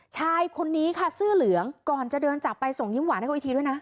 ชายคนนี้ค่ะเสื้อเหลืองก่อนจะเดินจากไปส่งยิ้มหวานให้เขาอีกทีด้วยนะ